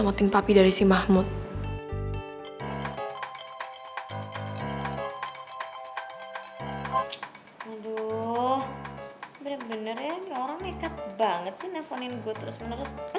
mana sih suster lama banget